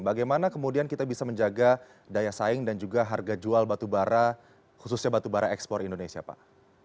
bagaimana kemudian kita bisa menjaga daya saing dan juga harga jual batubara khususnya batubara ekspor indonesia pak